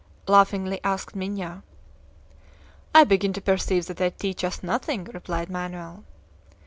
laughingly asked Minha. "I begin to perceive that they teach us nothing," replied Manoel.